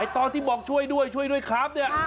ตอนที่บอกช่วยด้วยช่วยด้วยครับเนี่ย